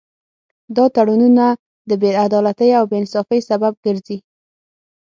دا تړونونه د بې عدالتۍ او بې انصافۍ سبب ګرځي